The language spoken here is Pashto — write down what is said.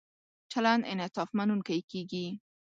چلند انعطاف مننونکی کیږي.